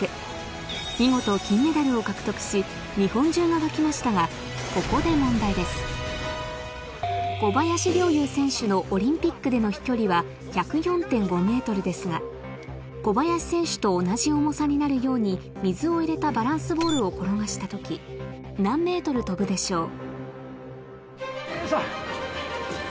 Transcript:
今年開催された見事ここで小林陵侑選手のオリンピックでの飛距離は１０４．５ｍですが小林選手と同じ重さになるように水を入れたバランスボールを転がした時何ｍ飛ぶでしょう？